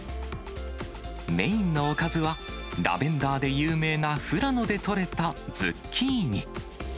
メインのおかずは、ラベンダーで有名な富良野で取れたズッキーニ。